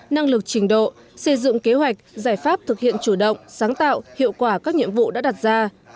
năng lực trình độ xây dựng kế hoạch giải pháp thực hiện chủ động sáng tạo hiệu quả các nhiệm vụ đã đặt ra